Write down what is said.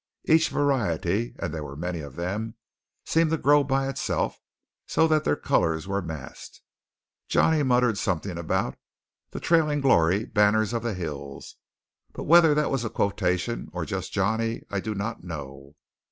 Each variety, and there were many of them, seemed to grow by itself so that the colours were massed. Johnny muttered something about "the trailing glory banners of the hills"; but whether that was a quotation or just Johnny I do not know.